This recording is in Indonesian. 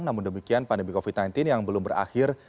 namun demikian pandemi covid sembilan belas yang belum berakhir